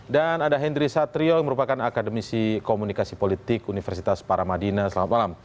dan ada hendri satrio yang merupakan akademisi komunikasi politik universitas paramadina selamat malam